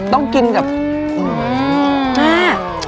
ต้องกินกับแม่